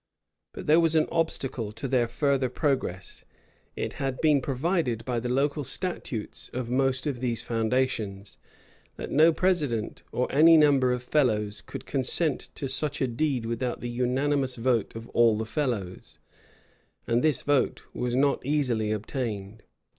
But there was an obstacle to their further progress: it had been provided by the local statutes of most of these foundations, that no president, or any number of fellows, could consent to such a deed without the unanimous vote of all the fellows; and this vote was not easily obtained.